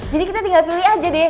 jadi kita tinggal pilih aja deh